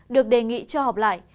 được đề nghị cho học lại